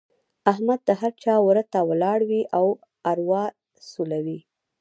احمد د هر چا وره ته ولاړ وي او اروا سولوي.